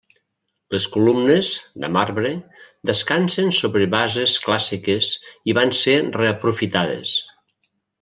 Les columnes, de marbre, descansen sobre bases clàssiques i van ser reaprofitades.